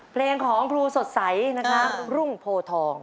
เพลงของครูสดใสนะครับรุ่งโพทอง